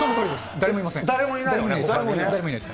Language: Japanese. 誰もいないです。